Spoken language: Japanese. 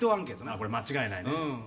これ、間違いないね。